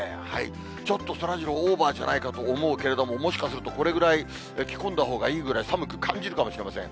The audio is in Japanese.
ちょっとそらジロー、オーバーじゃないかと思うけれども、もしかするとこれぐらい、着込んだほうがいいぐらい、寒く感じるかもしれません。